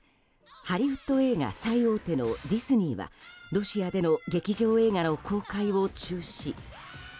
ハリウッド映画最大手のディズニーはロシアでの劇場映画の公開を中止。